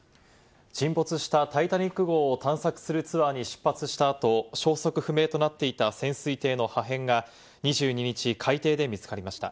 沈没したタイタニック号を探索するツアーに出発した後、消息不明となっていた潜水艇の破片が２２日、海底で見つかりました。